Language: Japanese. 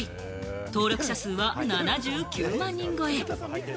登録者数は７９万人超え。